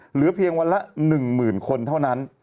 เหลือเพียงวันละ๑๐๐๐คนเท่านั้น